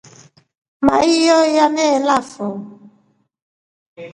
Maiyo nyameelafo.